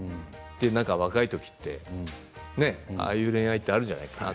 若い時ってああいう恋愛ってあるんじゃないかなって。